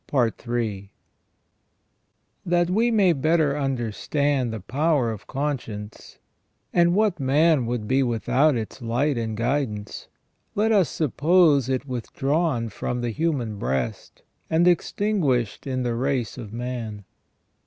137 That we may better understand the power of conscience — and what man would be without its light and guidance — let us suppose it withdrawn from the human breast, and extinguished in the race of man.